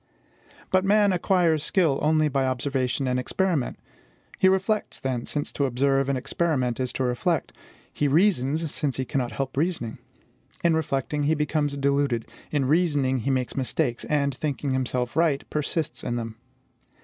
But man acquires skill only by observation and experiment. He reflects, then, since to observe and experiment is to reflect; he reasons, since he cannot help reasoning. In reflecting, he becomes deluded; in reasoning, he makes mistakes, and, thinking himself right, persists in them.